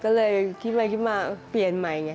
ก็เลยคิดไปคิดมาเปลี่ยนใหม่